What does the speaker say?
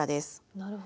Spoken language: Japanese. なるほど。